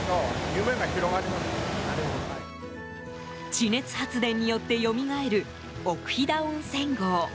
地熱発電によってよみがえる奥飛騨温泉郷。